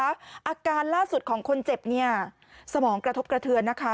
อาการล่าสุดของคนเจ็บเนี่ยสมองกระทบกระเทือนนะคะ